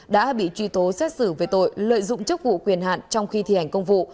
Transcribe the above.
đã bị truy tố xét xử về tội lợi dụng chức vụ quyền hạn trong khi thi hành công vụ